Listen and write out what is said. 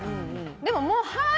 でももう、はい！